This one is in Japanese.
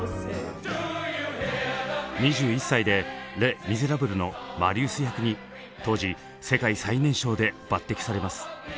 ２１歳で「レ・ミゼラブル」のマリウス役に当時世界最年少で抜てきされます。